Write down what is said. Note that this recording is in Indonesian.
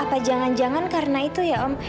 apa jangan jangan karena itu ya om